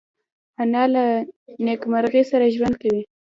انا له نیکمرغۍ سره ژوند کوي